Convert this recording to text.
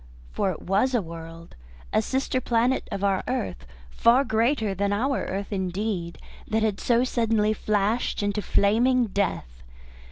For it was a world, a sister planet of our earth, far greater than our earth indeed, that had so suddenly flashed into flaming death.